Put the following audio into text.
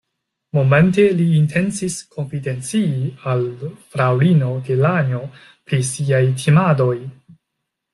Momente li intencis konfidencii al fraŭlino Delanjo pri siaj timadoj.